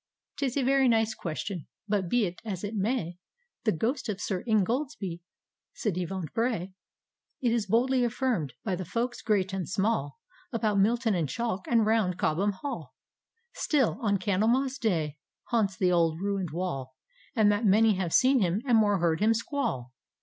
"Tis a very nice question— but be't as it may. The Ghost of Sir Ingoldsby {ci devant Bray), It is boldly aflirm'd by the folks great and small About Milton and Chaulk, and round Cobham HaU, Still on Candlemas day haunts the old ruin'd wall And that many have seen him, and more heard him squall.